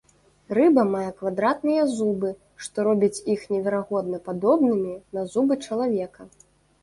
Рыба мае квадратныя зубы, што робіць іх неверагодна падобнымі на зубы чалавека.